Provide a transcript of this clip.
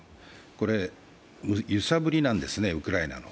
これ揺さぶりなんですね、ウクライナの。